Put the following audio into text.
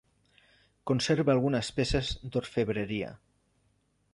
Conserva algunes peces d'orfebreria.